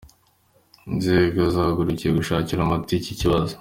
Inzego zahagurukiye gushakira umuti iki kibazo.